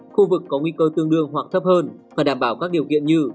khu vực có nguy cơ tương đương hoặc thấp hơn phải đảm bảo các điều kiện như